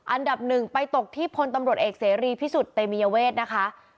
อันดับหนึ่งไปตกที่พลตำรวจเอกเสรีพิสุทธิ์เตมียเวทนะคะ